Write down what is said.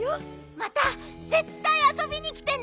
またぜったいあそびにきてね！